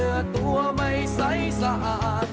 เนื้อตัวไม่ใส่สะอาด